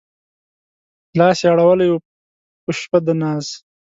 لاس يې اړولی و په شپه د ناز